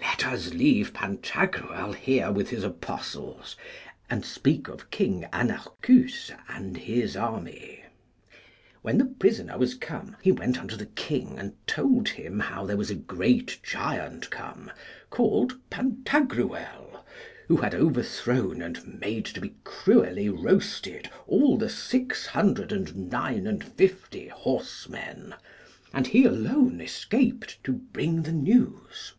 Let us leave Pantagruel here with his apostles, and speak of King Anarchus and his army. When the prisoner was come he went unto the king and told him how there was a great giant come, called Pantagruel, who had overthrown and made to be cruelly roasted all the six hundred and nine and fifty horsemen, and he alone escaped to bring the news.